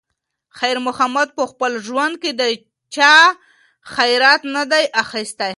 خیر محمد په خپل ژوند کې د چا خیرات نه دی اخیستی.